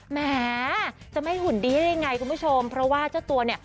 แหมจะไม่หุ่นดีได้ยังไงคุณผู้ชมเพราะว่าเจ้าตัวเนี่ย